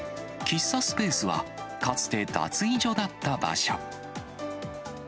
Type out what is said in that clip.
喫茶スペースはかつて脱衣所だった場所。